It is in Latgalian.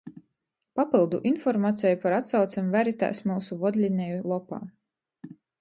Papyldu informaceju par atsaucem veritēs myusu vodlineju lopā.